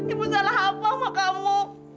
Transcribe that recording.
ibu salah apa sama kamu